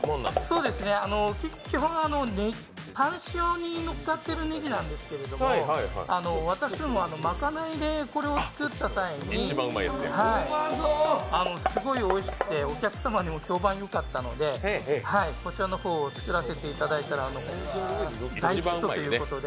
そうですね、基本はタン塩にのっかってるねぎなんですけれども、私ども、まかないでこれを作った際に、すごいおいしくて、お客様にも評判が良かったのでこちらの方を作らせていただいたら大ヒットということで。